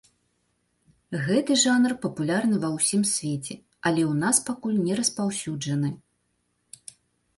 Гэты жанр папулярны ва ўсім свеце, але ў нас пакуль не распаўсюджаны.